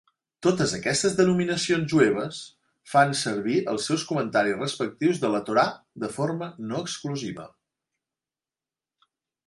Totes aquestes denominacions jueves fan servir els seus comentaris respectius de la Torà de forma no exclusiva.